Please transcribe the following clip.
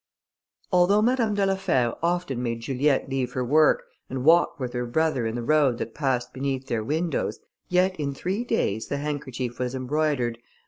Although Madame de la Fère often made Juliette leave her work and walk with her brother in the road that passed beneath their windows, yet in three days the handkerchief was embroidered, and M.